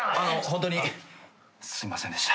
ホントにすいませんでした。